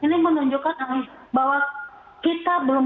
ini menunjukkan bahwa kita belum